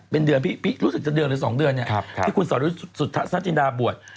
เป็นเดือนพี่รู้สึกจะเดือนหรือ๒เดือนเนี่ยที่คุณสรยุทธสจินดาบวช